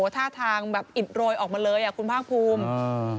ท่าทางแบบอิดโรยออกมาเลยอ่ะคุณภาคภูมิ